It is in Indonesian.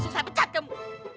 susah pecat kamu